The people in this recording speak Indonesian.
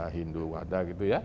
hindu ada gitu ya